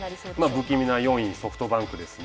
不気味な４位ソフトバンクですね。